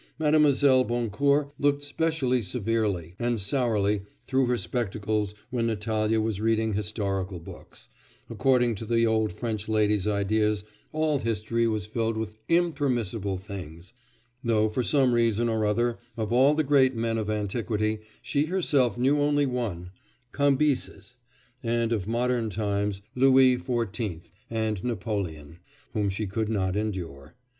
Mlle. Boncourt looked specially severely and sourly through her spectacles when Natalya was reading historical books; according to the old French lady's ideas all history was filled with impermissible things, though for some reason or other of all the great men of antiquity she herself knew only one Cambyses, and of modern times Louis XIV. and Napoleon, whom she could not endure.